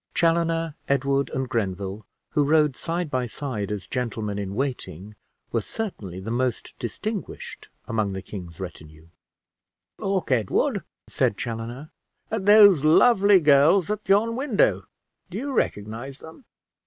Chaloner, Edward, and Grenville, who rode side by side as gentlemen in waiting, were certainly the most distinguished among the king's retinue. "Look, Edward," said Chaloner, "at those lovely girls at yon window. Do you recognize them?"